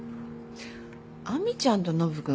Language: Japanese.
亜美ちゃんとノブ君